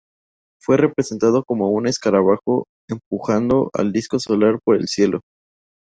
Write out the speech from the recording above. Fue representado como un escarabajo empujando al disco solar por el cielo.